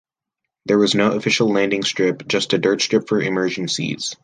There was no official landing strip, just a dirt strip for emergencies.